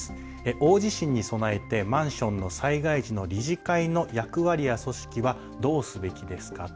大地震に備えてマンションの災害時の理事会の役割や組織はどうすべきですか？